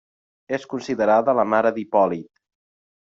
És considerada la mare d'Hipòlit.